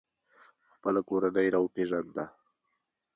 خپله کورنۍ یې را وپیژنده.